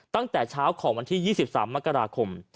ตั้งแต่เช้าของวันที่๒๓มกราคม